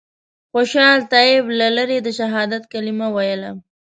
خوشحال طیب له لرې د شهادت کلمه ویله.